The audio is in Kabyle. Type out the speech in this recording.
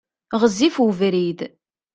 Ɣezzif ubrid.